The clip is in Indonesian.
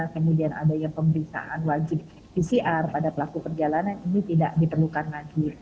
kemudian adanya pemeriksaan wajib pcr pada pelaku perjalanan ini tidak diperlukan lagi